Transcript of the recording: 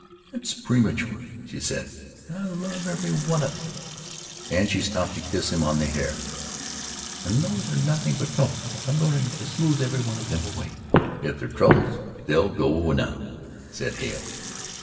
"It's premature," she said, "and I love every one of them." And she stooped to kiss him on the hair. "And those are nothing but troubles. I'm going to smooth every one of them away." "If they're troubles, they'll go now," said Hale.